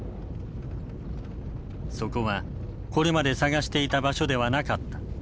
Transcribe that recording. そこはこれまで探していた場所ではなかった。